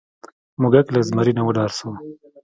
موږک له زمري ونه ډار شو.